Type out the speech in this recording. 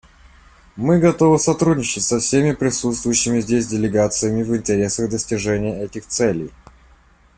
Мы готовы сотрудничать со всеми присутствующими здесь делегациями в интересах достижения этих целей.